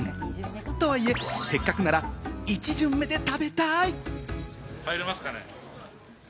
とはいえ、せっかくなら１巡目で食べたい！